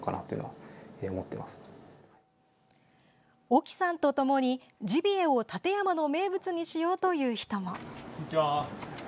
沖さんとともに、ジビエを館山の名物にしようという人も。